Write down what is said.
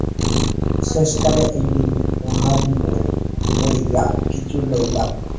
শেষকালে একদিন মহা বিপদে পড়িয়া কিছু লইলাম।